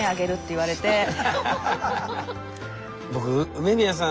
僕梅宮さん